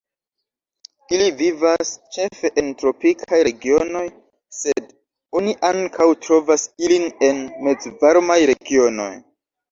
Ili vivas ĉefe en tropikaj regionoj, sed oni ankaŭ trovas ilin en mezvarmaj regionoj.